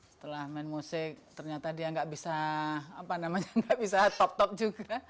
setelah main musik ternyata dia nggak bisa apa namanya nggak bisa top top juga